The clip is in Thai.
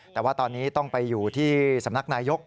แต่ว่าตอนนี้ต้องไปอยู่ที่สำนักนายก